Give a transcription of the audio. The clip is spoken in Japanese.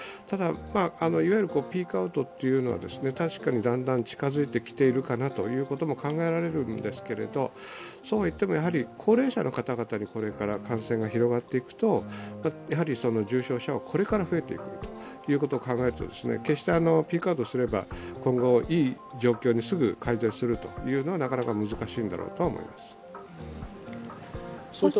ただ、いわゆるピークアウトは確かにだんだん近づいてきているかなということも考えられるんですが、そうはいっても高齢者の方々にこれから感染が広がっていくと重症者はこれから増えていくということを考えると決してピークアウトすれば今後、いい状況にすぐ改善するというのはなかなか難しいだろうとは思います。